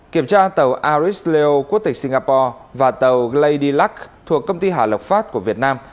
kiểm tra tàu aris leo quốc tịch singapore và tàu lady luck thuộc công ty hà lộc pháp của việt nam